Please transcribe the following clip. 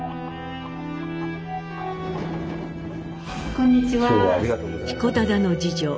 こんにちは。